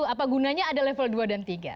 apa gunanya ada level dua dan tiga